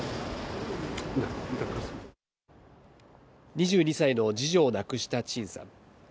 ２２歳の次女を亡くしたチンさん。